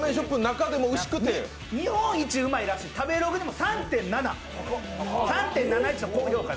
日本一うまいらしい、食べログでも３．７の高評価。